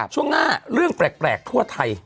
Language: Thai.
ช่วงหน้าเรื่องแปลกทั่วไทย